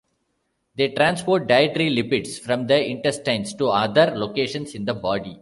They transport dietary lipids from the intestines to other locations in the body.